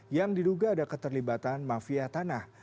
yang diduga ada keterlibatan mafia tanah